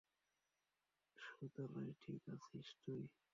সুদালাই, ঠিক আছিস তুই?